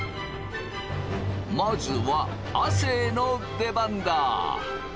まずは亜生の出番だ！